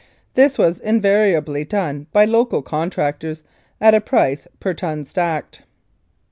This was invari ably done by local contractors at a price per ton stacked.